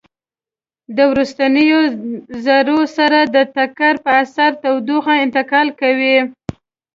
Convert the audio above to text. د وروستیو ذرو سره د ټکر په اثر تودوخه انتقال کوي.